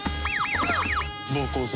暴行罪。